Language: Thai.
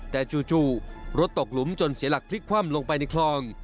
แต่จู่รถตกหลุมจนเสียหลักพลิกคว่ำลงไปในคลอง